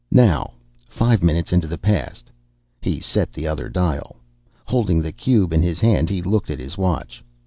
"Now five minutes into the past." He set the other dial. Holding the cube in his hand he looked at his watch.